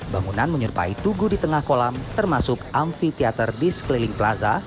bangunan menyerupai tugu di tengah kolam termasuk amfitheater di sekeliling plaza